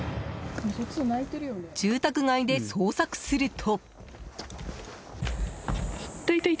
住宅街で捜索すると。